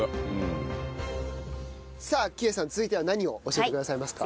さあ喜江さん続いては何を教えてくださいますか？